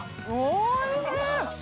おいしい！